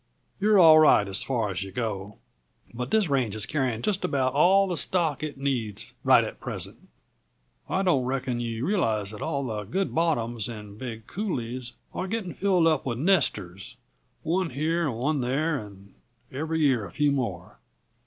You're all right, as far as yuh go but this range is carrying just about all the stock it needs right at present. I don't reckon yuh realize that all the good bottoms and big coulées are getting filled up with nesters; one here and one there, and every year a few more.